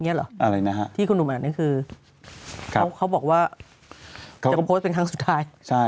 อะไรนะฮะที่คุณหนุ่มอ่านนี่คือเขาบอกว่าจะมาโพสต์เป็นครั้งสุดท้าย